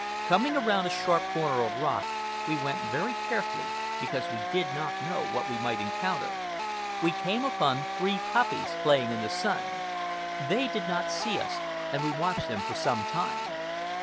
Coming around a sharp corner of rock (we went very carefully, because we did not know what we might encounter), we came upon three puppies playing in the sun. They did not see us, and we watched them for some time.